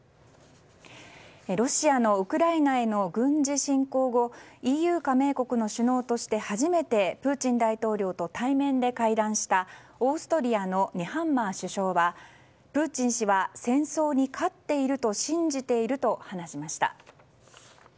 ロシアのウクライナへの軍事侵攻後ＥＵ加盟国の首脳として初めてプーチン大統領と対面で会談したオーストリアのネハンマー首相はプーチン氏は戦争に勝っていると信じていると話しました。